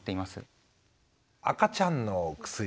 赤ちゃんの薬。